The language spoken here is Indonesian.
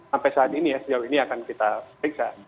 sampai saat ini ya sejauh ini akan kita periksa